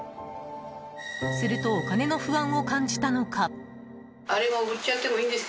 するとお金の不安を感じたのか。